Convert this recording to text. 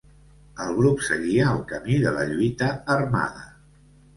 El grup seguia el camí de la lluita armada.